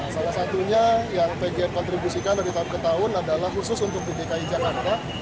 salah satunya yang pgn kontribusikan dari tahun ke tahun adalah khusus untuk di dki jakarta